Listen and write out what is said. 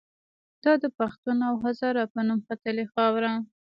دا د پښتون او هزاره په نوم ختلې خاوره